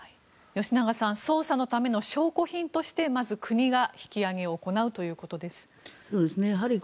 吉永さん捜査のための証拠品としてまず国が引き揚げを行うということです。